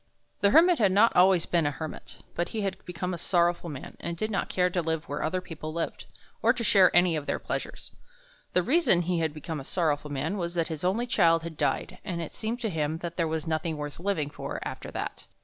The Hermit had not always been a Hermit, but he had become a sorrowful man, and did not care to live where other people lived, or to share any of their pleasures. The reason he had become a sorrowful man was that his only child had died, and it seemed to him that there was nothing worth living for after that.